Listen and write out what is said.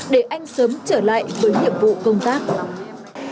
để anh sớm trở lại với nhiệm vụ công tác